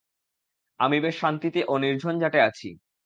আমি বেশ শান্তিতে ও নির্ঝঞ্ঝাটে আছি।